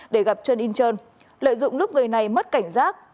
để gặp trương yên trơn lợi dụng lúc người này mất cảnh giác